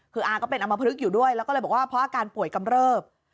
คืออาก็เป็นอำมพลึกอยู่ด้วยแล้วก็เลยบอกว่าเพราะอาการป่วยกำเริบ